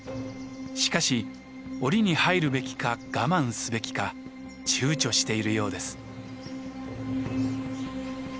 しかし檻に入るべきか我慢すべきか躊躇しているようです。